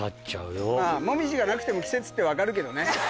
まぁモミジがなくても季節って分かるけどね。